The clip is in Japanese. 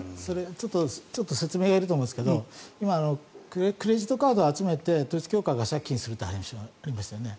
ちょっと説明がいると思うんですけど今、クレジットカードを集めて統一教会が借金するという話がありましたよね。